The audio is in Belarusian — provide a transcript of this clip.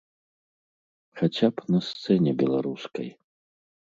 Хаця б на сцэне беларускай.